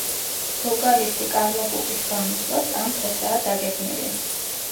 ვოკალისტი კარლა კუკის გამოსვლაც ამ დღესაა დაგეგმილი.